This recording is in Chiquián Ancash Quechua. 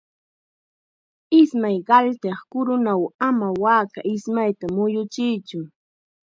Ismay qaltiq kurunaw ama waaka ismayta muyuchiytsu.